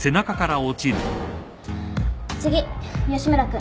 次吉村君。